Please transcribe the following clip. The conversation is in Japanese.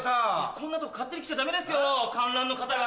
こんなとこ勝手に来ちゃダメですよ観覧の方が。